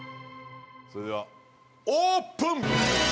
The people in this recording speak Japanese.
それではオープン！